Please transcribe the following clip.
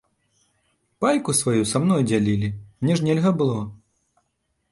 Пайку сваю са мной дзялілі, мне ж нельга было!